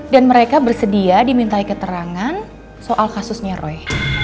dan mereka bersedia diminta keterangan soal kasusnya roy